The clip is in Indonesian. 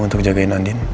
untuk jagain andin